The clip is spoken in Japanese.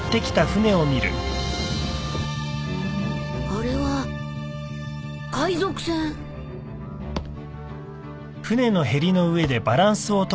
あれは海賊船。